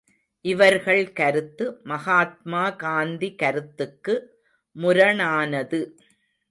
இவர்கள் கருத்து மகாத்மா காந்தி கருத்துக்கு முரணானது.